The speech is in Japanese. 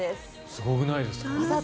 すごくないですか？